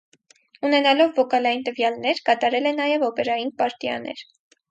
Ունենալով վոկալային տվյալներ՝ կատարել է նաև օպերային պարտիաներ։